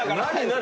何？